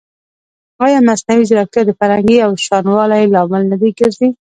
ایا مصنوعي ځیرکتیا د فرهنګي یوشان والي لامل نه ګرځي؟